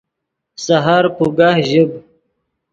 سحر پوگہ ژیب